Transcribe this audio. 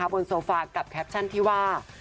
บนโซฟากับแคปชั่นที่ว่า